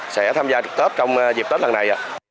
sẽ tham gia trực tết trong dịp tết lần này